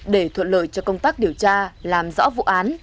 để thuận lợi cho công tác điều tra làm rõ vụ án